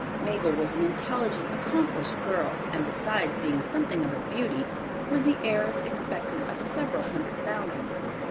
Mabel was an intelligent, accomplished girl, and besides being something of a beauty, was the heiress expectant of several hundred thousand.